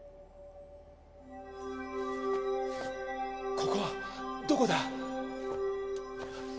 ここはどこだ？